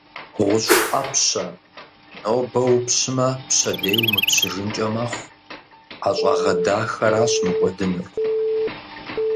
ГъущӀ Ӏэпщэ, нобэ упщмэ, пщэдей умыпщыжынкӀэ мэхъу. Ӏэщагъэ дахэращ мыкӀуэдынур!